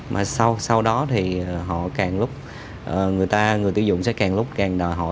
mà sau đó thì họ càng lúc người ta người tiêu dụng sẽ càng lúc càng đo